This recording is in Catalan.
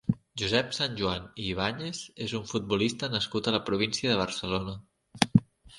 Josep Sanjuan i Ibáñez és un futbolista nascut a la província de Barcelona.